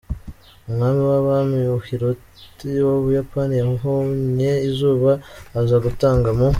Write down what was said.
Umwami w’abami Hirohito, w’ubuyapani yabonye izuba, aza gutanga mu .